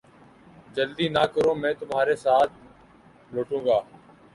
جلدی نہ کرو میں تمھارے ساتھ لوٹوں گا